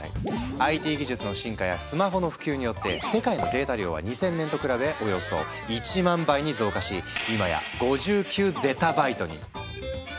ＩＴ技術の進化やスマホの普及によって世界のデータ量は２０００年と比べおよそ１万倍に増加し今や５９ゼタバイトに！って